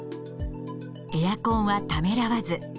エアコンはためらわず。